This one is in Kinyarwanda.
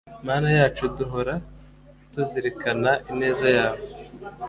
mana yacu, duhora tuzirikana ineza yawe